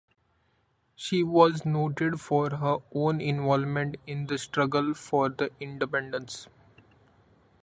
She was noted for her own involvement in the struggle for the independence.